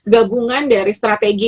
gabungan dari strategi